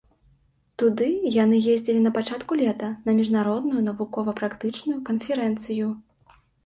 Туды яны ездзілі на пачатку лета на міжнародную навукова-практычную канферэнцыю.